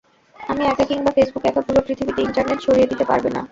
আমি একা কিংবা ফেসবুক একা পুরো পৃথিবীতে ইন্টারনেট ছড়িয়ে দিতে পারবে না।